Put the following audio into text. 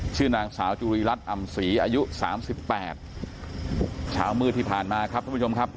ชื่อนางสาวจุรีรัฐอำศรีอายุสามสิบแปดเช้ามืดที่ผ่านมาครับทุกผู้ชมครับ